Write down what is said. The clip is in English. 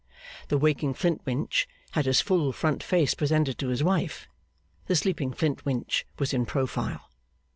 The waking Flintwinch had his full front face presented to his wife; the sleeping Flintwinch was in profile.